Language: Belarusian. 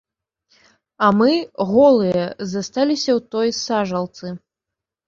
А мы, голыя, засталіся ў той сажалцы!